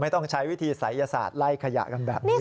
ต้องใช้วิธีศัยศาสตร์ไล่ขยะกันแบบนี้